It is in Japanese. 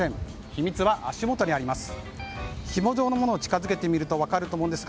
秘密は、足元にあります。